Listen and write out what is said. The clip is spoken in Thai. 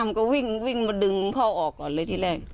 มันก็วิ่งมาดึงพ่อออกก่อนเลยที่แรก